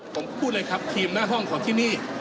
ผมพูดเลยครับทีมหน้าห้องของที่นี่